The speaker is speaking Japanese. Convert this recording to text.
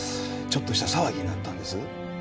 ちょっとした騒ぎになったんです。